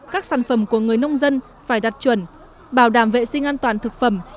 các sản phẩm của người nông dân phải đặt chuẩn bảo đảm vệ sinh an toàn thực phẩm